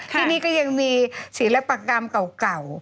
ที่นี่ก็ยังมีศิลปกรรมเก่า